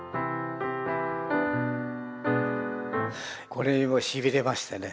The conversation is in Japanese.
これはしびれましてね